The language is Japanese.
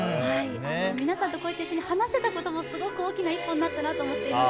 皆さんとこうやって一緒に話せたことも、本当に大きな一歩になっていると思います。